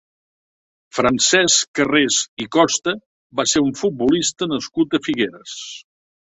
Francesc Carrés i Costa va ser un futbolista nascut a Figueres.